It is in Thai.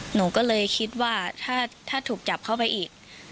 หนูก็เลยคิดว่าถ้าถูกจับเข้าไปอีก